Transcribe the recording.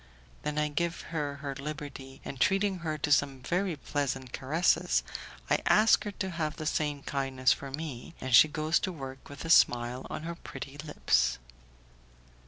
Then I give her her liberty, and treating her to some very pleasant caresses, I ask her to have the same kindness for me, and she goes to work with a smile on her pretty lips.